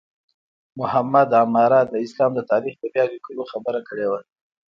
محمد عماره د اسلام د تاریخ د بیا لیکلو خبره کړې وه.